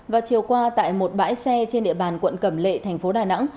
và chiều qua tại một bãi xe trên địa bàn quận cầm lệ thành phố đà nẵng